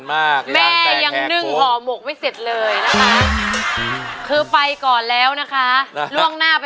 เอ็ดเต้นซุ้มซ้อมออกแย่ความทรวพ